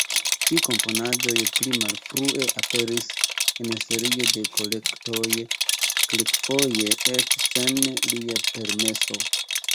Ĉi-komponaĵoj pli malfrue aperis en serio da kolektoj, kelkfoje eĉ sen lia permeso.